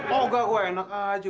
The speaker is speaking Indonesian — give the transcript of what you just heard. oh enggak enak aja